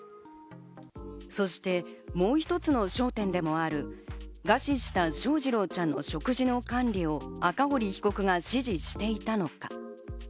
そして、もう一つの焦点でもある餓死した翔士郎ちゃんの食事の管理を赤堀被告が指示していたのか？